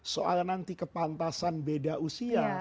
soal nanti kepantasan beda usia